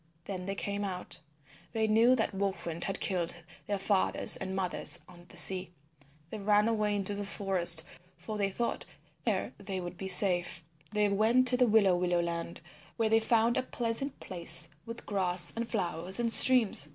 Then they came out. They knew that Wolf Wind had killed their fathers and mothers on the sea. They ran away into the forest, for they thought that there they would be safe. They went to the Willow Willow Land where they found a pleasant place with grass and flowers and streams.